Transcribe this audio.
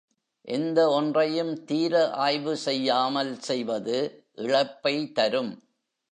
எந்த ஒன்றையும் தீர ஆய்வு செய்யாமல் செய்வது இழப்பை தரும்.